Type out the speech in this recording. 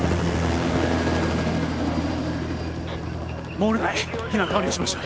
モール内避難完了しました。